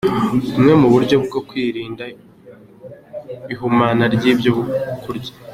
Bumwe mu buryo bwo kwirinda ihumana ry’ibyo kurya.